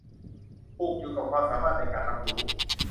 ผูกอยู่กับความสามารถในการรับรู้